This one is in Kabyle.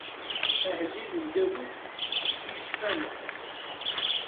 Ahellil n Dawed, i ccfawa.